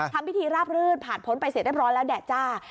ทำพิธีราบรื่นผ่านพ้นไปเสร็จเรียบร้อยแล้วแดดจ้า